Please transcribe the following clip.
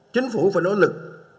chính phủ phải nỗ lực